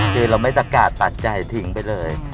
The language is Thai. คือเราไม่ประกาศตัดใจทิ้งไปเลย